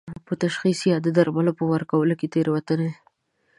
په تشخیص یا د درملو په ورکولو کې تېروتنې